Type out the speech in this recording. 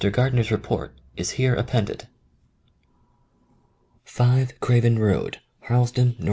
Gardner's report is here ap pended : 5 Craven Road, Harlesden, iV.